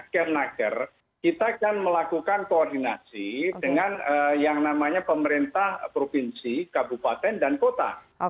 karena kita akan melakukan koordinasi dengan yang namanya pemerintah provinsi kabupaten dan kota